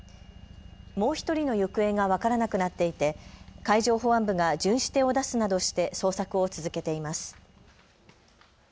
もう１人の行方が分からなくなっていて海上保安部が巡視艇を出すなどして捜索を続けています。